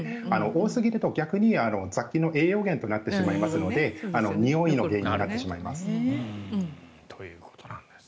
多すぎると逆に雑菌の栄養源となってしまいますのでにおいの原因になってしまいます。